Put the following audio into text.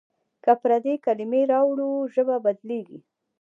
که پردۍ کلمې راوړو ژبه بدلېږي.